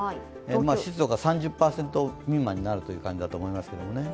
湿度が３０％未満になるという感じだと思います。